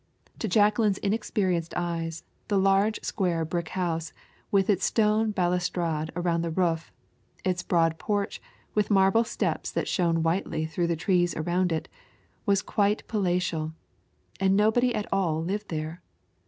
To Jacqueline's inexperienced eyes, the large square brick house, with its stone balustrade around the roof, its broad porch, with marble steps that shone whitely through the trees around it, was quite palatial. And nobody at all lived there.